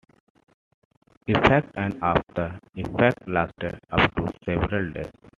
Effects and after-effects lasted up to several days.